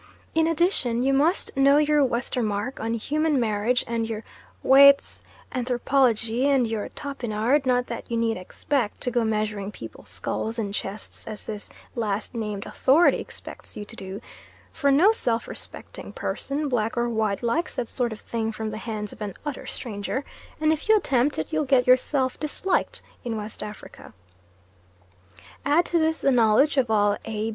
In addition you must know your Westermarck on Human Marriage, and your Waitz Anthropologie, and your Topinard not that you need expect to go measuring people's skulls and chests as this last named authority expects you to do, for no self respecting person black or white likes that sort of thing from the hands of an utter stranger, and if you attempt it you'll get yourself disliked in West Africa. Add to this the knowledge of all A.